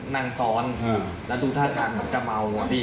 นั่งตอนแล้วดูท่าทางจะเมาอ่ะพี่